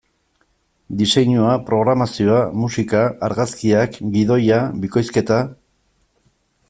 Diseinua, programazioa, musika, argazkiak, gidoia, bikoizketa...